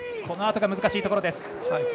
このあとが難しいところです。